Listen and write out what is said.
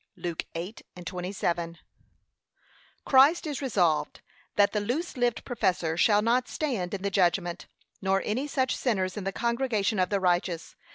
(Luke 8:27) Christ is resolved that the loose lived professor shall not stand in the judgment, nor any such sinners in the congregation of the righteous.